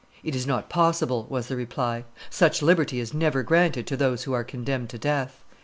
"It is not possible," was the reply; "such liberty is never granted to those who are condemned to death."